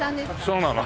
そうなの。